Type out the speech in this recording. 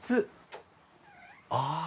ああ。